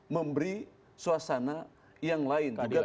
memberi suasana yang lain